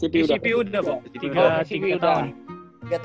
tiga tahun empat puluh juta